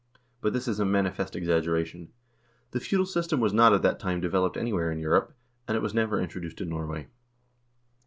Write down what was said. But this is a manifest exaggeration. The feudal system was not at that time developed anywhere in Europe, and it was never introduced in Norway.